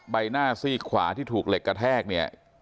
ใบหน้าซีกขวาที่ถูกเหล็กกระแทกเนี่ย